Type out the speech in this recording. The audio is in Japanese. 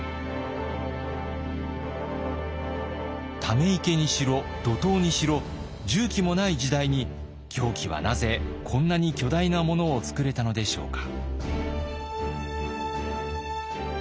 ため池にしろ土塔にしろ重機もない時代に行基はなぜこんなに巨大なものをつくれたのでしょうか。